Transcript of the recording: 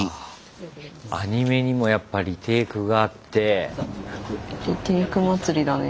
アニメにもやっぱリテイクがあって。